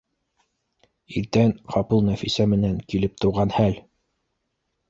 Иртән ҡапыл Нәфисә менән килеп тыуған хәл